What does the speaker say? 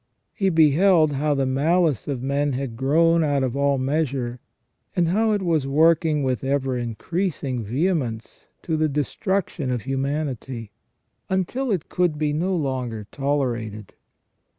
He beheld how the malice of men had grown out of all measure, and how it was working with ever increasing vehemence to the destruction of humanity, until it could be no longer tolerated.